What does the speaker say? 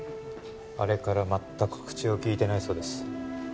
あれから全く口をきいてないそうです